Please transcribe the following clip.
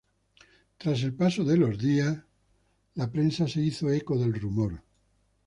Tras el paso de los días, la prensa se hizo eco del rumor.